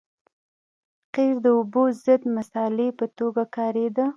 قیر د اوبو ضد مصالحې په توګه کارېده